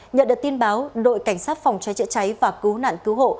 nhận được tin báo đội cảnh sát phòng cháy chữa cháy và cứu nạn cứu hộ